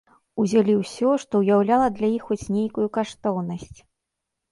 Узялі ўсё, што ўяўляла для іх хоць нейкую каштоўнасць.